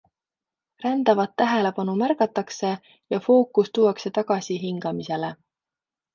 Rändavat tähelepanu märgatakse ja fookus tuuakse tagasi hingamisele.